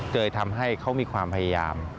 เลยทำให้เขามีความพยายาม